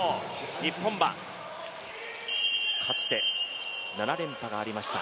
日本はかつて７連覇がありました。